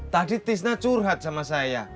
tadi tisna curhat sama saya